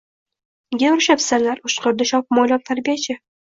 Nega urishyapsanlar, – oʻshqirdi shopmoʻylov tarbiyachi.